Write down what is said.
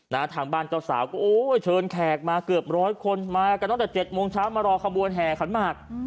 ทางบ้านเจ้าสาวก็โอ้ยเชิญแขกมาเกือบร้อยคนมากันตั้งแต่เจ็ดโมงเช้ามารอขบวนแห่ขันหมาก